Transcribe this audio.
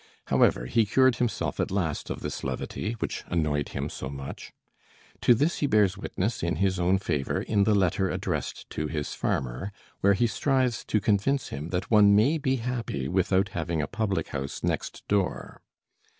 However, he cured himself at last of this levity, which annoyed him so much. To this he bears witness in his own favor in the letter addressed to his farmer, where he strives to convince him that one may be happy without having a public house next door.